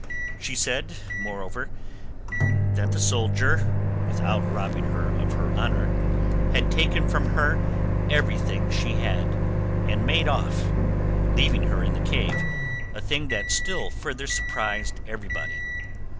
She said, moreover, that the soldier, without robbing her of her honour, had taken from her everything she had, and made off, leaving her in the cave, a thing that still further surprised everybody.